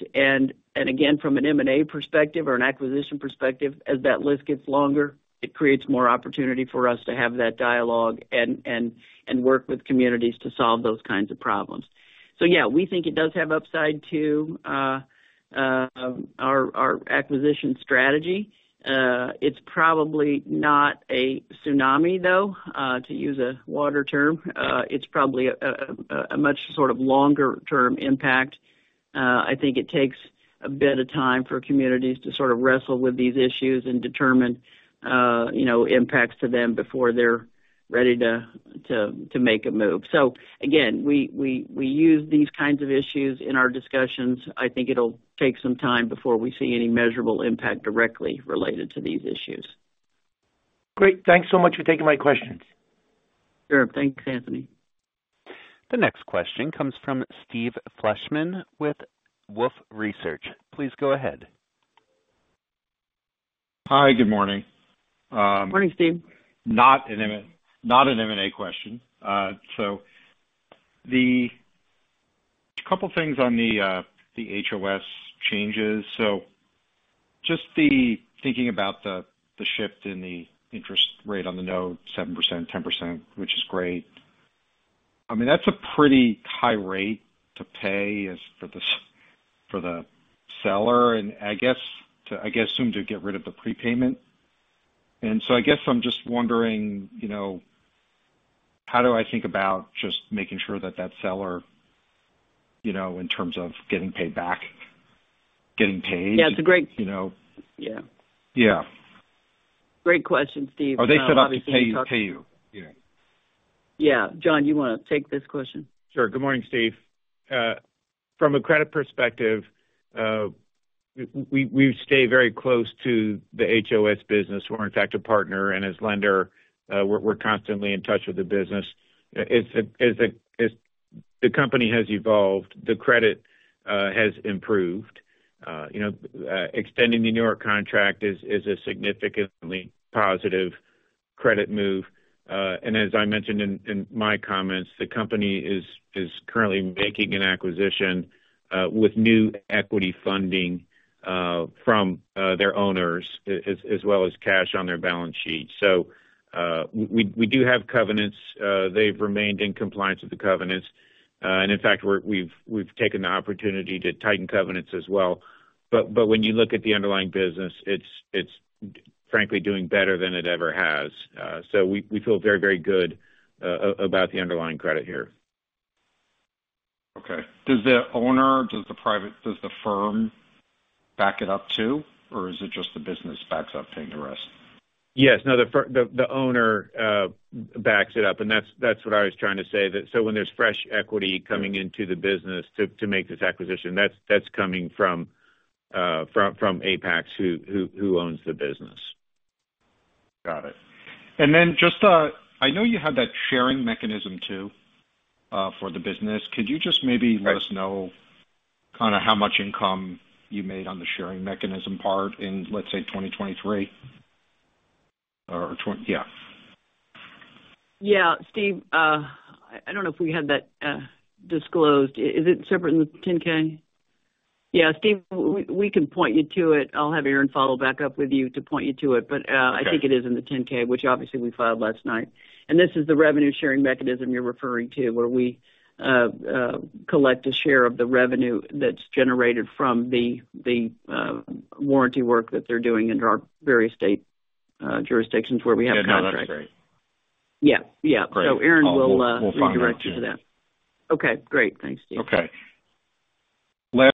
Again, from an M&A perspective or an acquisition perspective, as that list gets longer, it creates more opportunity for us to have that dialogue and work with communities to solve those kinds of problems. So yeah, we think it does have upside to our acquisition strategy. It's probably not a tsunami, though, to use a water term. It's probably a much sort of longer-term impact. I think it takes a bit of time for communities to sort of wrestle with these issues and determine, you know, impacts to them before they're ready to make a move. So again, we use these kinds of issues in our discussions. I think it'll take some time before we see any measurable impact directly related to these issues. Great. Thanks so much for taking my questions. Sure. Thanks, Anthony. The next question comes from Steve Fleishman with Wolfe Research. Please go ahead. Hi, good morning. Morning, Steve. Not an M&A question. Couple things on the HOS changes. So just the thinking about the shift in the interest rate on the note, 7%, 10%, which is great. I mean, that's a pretty high rate to pay for the seller, and I guess to assume to get rid of the prepayment. And so, I guess I'm just wondering, you know, how do I think about just making sure that that seller, you know, in terms of getting paid back, getting paid? Yeah, it's a great- You know? Yeah. Yeah. Great question, Steve. Are they set up to pay you, pay you? Yeah. Yeah. John, you want to take this question? Sure. Good morning, Steve. From a credit perspective, we stay very close to the HOS business. We're, in fact, a partner and as lender, we're constantly in touch with the business. As the company has evolved, the credit has improved. You know, extending the New York contract is a significantly positive credit move. And as I mentioned in my comments, the company is currently making an acquisition with new equity funding from their owners, as well as cash on their balance sheet. So, we do have covenants. They've remained in compliance with the covenants. And in fact, we've taken the opportunity to tighten covenants as well. But when you look at the underlying business, it's frankly doing better than it ever has. So, we feel very, very good about the underlying credit here. Okay. Does the firm back it up too, or is it just the business backs up paying the rest? Yes. No, the firm, the owner backs it up, and that's what I was trying to say, that so when there's fresh equity coming into the business to make this acquisition, that's coming from Apax, who owns the business. Got it. And then just, I know you had that sharing mechanism, too, for the business. Could you just maybe let us know kind of how much income you made on the sharing mechanism part in, let's say, 2023.... Yeah, Steve, I don't know if we had that disclosed. Is it separate in the 10-K? Yeah, Steve, we can point you to it. I'll have Aaron follow back up with you to point you to it. But, Okay. I think it is in the 10-K, which obviously we filed last night. And this is the revenue-sharing mechanism you're referring to, where we collect a share of the revenue that's generated from the warranty work that they're doing under our various state jurisdictions where we have contracts. Yeah, no, that's great. Yeah. Yeah. Great. So Aaron will, We'll follow up. redirect you to that. Okay, great. Thanks, Steve. Okay. Last,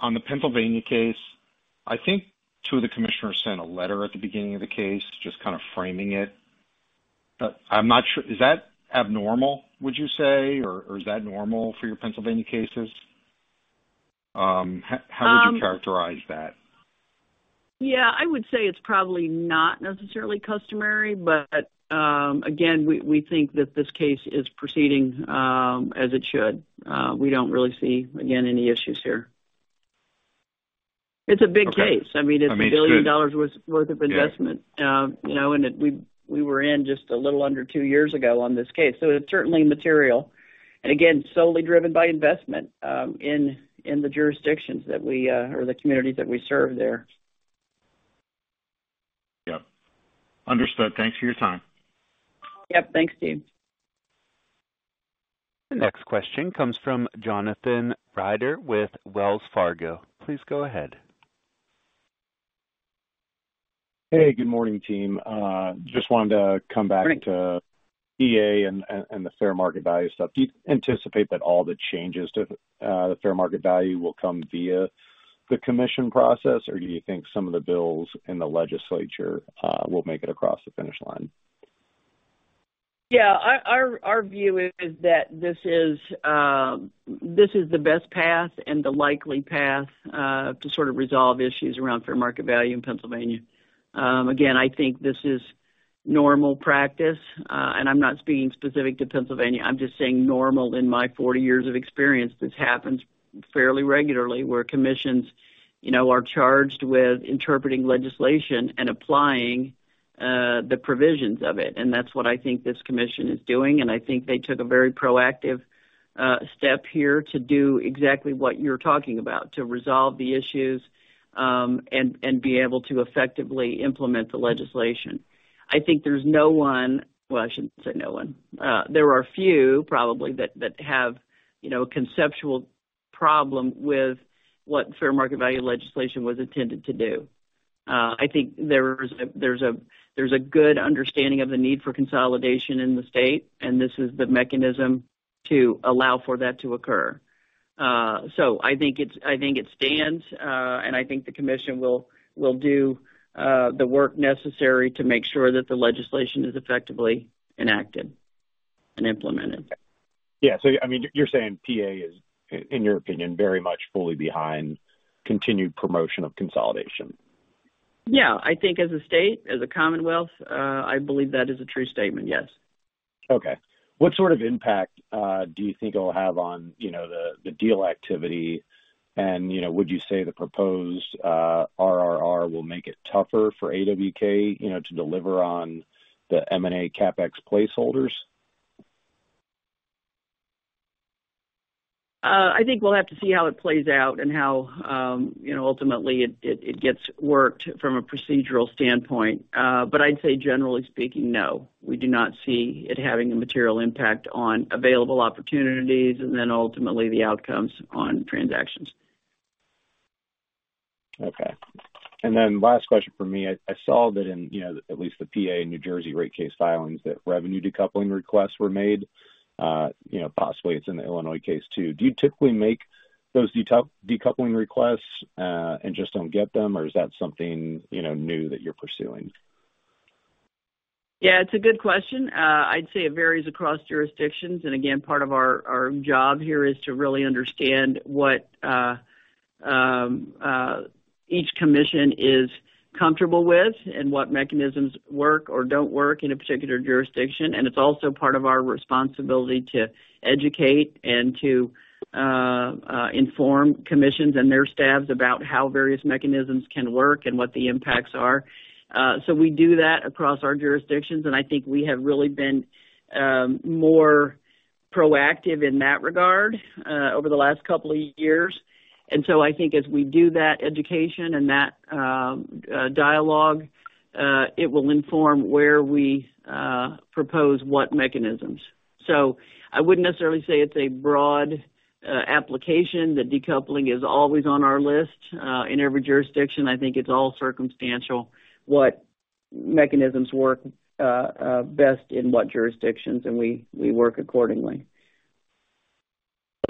on the Pennsylvania case, I think two of the commissioners sent a letter at the beginning of the case, just kind of framing it, but I'm not sure. Is that abnormal, would you say, or is that normal for your Pennsylvania cases? Um- How would you characterize that? Yeah, I would say it's probably not necessarily customary, but, again, we think that this case is proceeding, as it should. We don't really see, again, any issues here. It's a big case. Okay. I mean, it's $1 billion- I mean, sure. - worth of investment, you know, and that we, we were in just a little under two years ago on this case, so it's certainly material. And again, solely driven by investment, in, in the jurisdictions that we, or the communities that we serve there. Yeah. Understood. Thanks for your time. Yep. Thanks, Steve. The next question comes from Jonathan Reeder with Wells Fargo. Please go ahead. Hey, good morning, team. Just wanted to come back- Good morning. To PA and the fair market value stuff. Do you anticipate that all the changes to the fair market value will come via the commission process, or do you think some of the bills in the legislature will make it across the finish line? Yeah, our view is that this is the best path and the likely path to sort of resolve issues around fair market value in Pennsylvania. Again, I think this is normal practice, and I'm not speaking specifically to Pennsylvania. I'm just saying normal in my 40 years of experience, this happens fairly regularly, where commissions, you know, are charged with interpreting legislation and applying the provisions of it. And that's what I think this commission is doing, and I think they took a very proactive step here to do exactly what you're talking about, to resolve the issues, and be able to effectively implement the legislation. I think there's no one... Well, I shouldn't say no one. There are a few, probably, that have, you know, a conceptual problem with what Fair Market Value legislation was intended to do. I think there's a good understanding of the need for consolidation in the state, and this is the mechanism to allow for that to occur. So I think it's, I think it stands, and I think the commission will do the work necessary to make sure that the legislation is effectively enacted and implemented. Yeah. So, I mean, you're saying PA is, in your opinion, very much fully behind continued promotion of consolidation? Yeah. I think as a state, as a commonwealth, I believe that is a true statement, yes. Okay. What sort of impact do you think it'll have on, you know, the deal activity? And, you know, would you say the proposed RRR will make it tougher for AWK, you know, to deliver on the M&A CapEx placeholders? I think we'll have to see how it plays out and how, you know, ultimately it gets worked from a procedural standpoint. But I'd say generally speaking, no, we do not see it having a material impact on available opportunities and then ultimately the outcomes on transactions. Okay. And then last question from me. I saw that in, you know, at least the PA and New Jersey rate case filings, that revenue decoupling requests were made. You know, possibly it's in the Illinois case, too. Do you typically make those decoupling requests, and just don't get them, or is that something, you know, new that you're pursuing? Yeah, it's a good question. I'd say it varies across jurisdictions, and again, part of our job here is to really understand what each commission is comfortable with and what mechanisms work or don't work in a particular jurisdiction. It's also part of our responsibility to educate and to inform commissions and their staffs about how various mechanisms can work and what the impacts are. So, we do that across our jurisdictions, and I think we have really been more proactive in that regard over the last couple of years. So, I think as we do that education and that dialogue, it will inform where we propose what mechanisms. I wouldn't necessarily say it's a broad application, that decoupling is always on our list in every jurisdiction. I think it's all circumstantial, what mechanisms work best in what jurisdictions, and we work accordingly.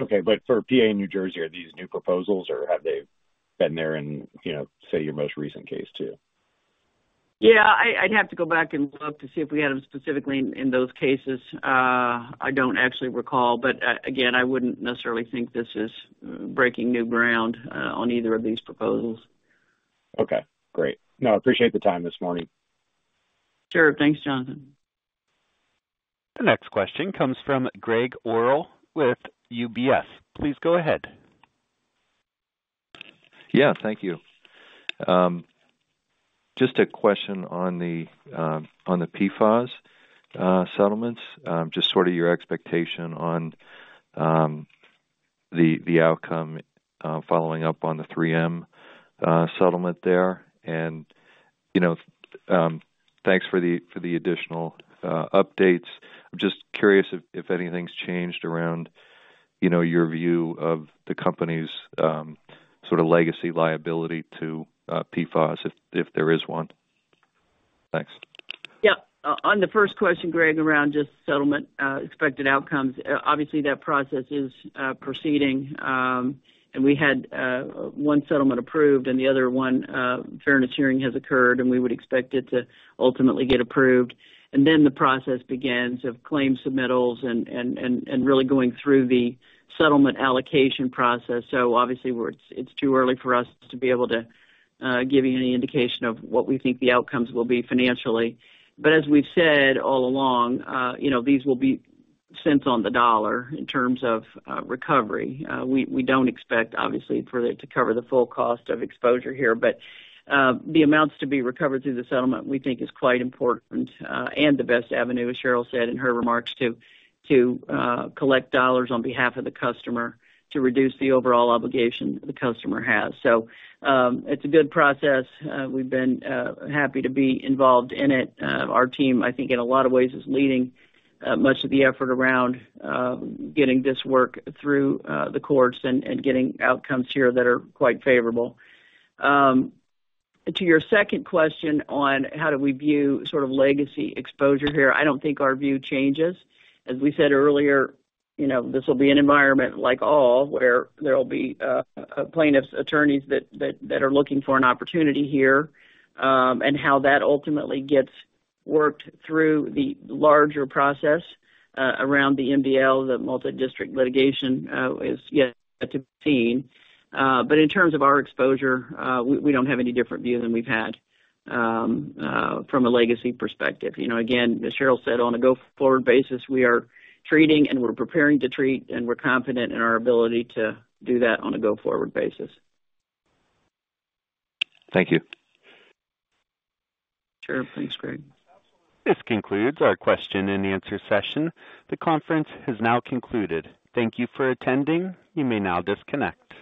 Okay, but for PA and New Jersey, are these new proposals, or have they been there in, you know, say, your most recent case, too? Yeah, I'd have to go back and look to see if we had them specifically in those cases. I don't actually recall, but again, I wouldn't necessarily think this is breaking new ground on either of these proposals. Okay, great. No, I appreciate the time this morning. Sure. Thanks, Jonathan. The next question comes from Greg Orrill with UBS. Please go ahead.... Yeah, thank you. Just a question on the PFAS settlements. Just sort of your expectation on the outcome, following up on the 3M settlement there. And, you know, thanks for the additional updates. I'm just curious if anything's changed around, you know, your view of the company's sort of legacy liability to PFAS, if there is one. Thanks. Yeah. On the first question, Greg, around just settlement, expected outcomes, obviously, that process is proceeding. And we had one settlement approved and the other one, fairness hearing has occurred, and we would expect it to ultimately get approved. And then the process begins of claim submittals and really going through the settlement allocation process. So obviously, we're it's too early for us to be able to give you any indication of what we think the outcomes will be financially. But as we've said all along, you know, these will be cents on the dollar in terms of recovery. We don't expect, obviously, for it to cover the full cost of exposure here, but the amounts to be recovered through the settlement, we think is quite important, and the best avenue, as Cheryl said in her remarks, to collect dollars on behalf of the customer to reduce the overall obligation the customer has. So, it's a good process. We've been happy to be involved in it. Our team, I think, in a lot of ways, is leading much of the effort around getting this work through the courts and getting outcomes here that are quite favorable. To your second question on how do we view sort of legacy exposure here, I don't think our view changes. As we said earlier, you know, this will be an environment like all, where there will be plaintiffs' attorneys that are looking for an opportunity here, and how that ultimately gets worked through the larger process around the MDL, the Multidistrict Litigation, is yet to be seen. But in terms of our exposure, we don't have any different view than we've had from a legacy perspective. You know, again, as Cheryl said, on a go-forward basis, we are treating and we're preparing to treat, and we're confident in our ability to do that on a go-forward basis. Thank you. Sure. Thanks, Greg. This concludes our Q&A session. The conference has now concluded. Thank you for attending. You may now disconnect.